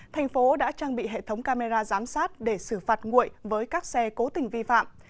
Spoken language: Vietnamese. thành phố đã trang bị hệ thống camera giám sát để xử phạt nguội với các xe cố tình vi phạm